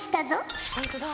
本当だ。